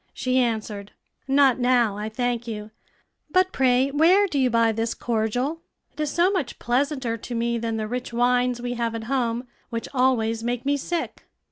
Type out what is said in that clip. She answered, "Not now, I thank you; but pray where do you buy this cordial? it is so much pleasanter to me than the rich wines we have at home, which always make me sick."